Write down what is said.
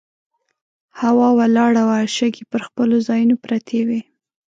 هوا ولاړه وه، شګې پر خپلو ځایونو پرتې وې.